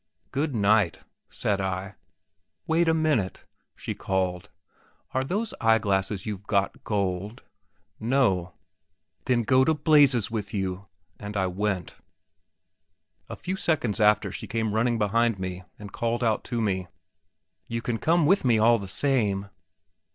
"Good night!" said I. "Wait a minute," she called; "are those eyeglasses that you've got gold?" "No." "Then go to blazes with you!" and I went. A few seconds after she came running behind me, and called out to me: "You can come with me all the same!"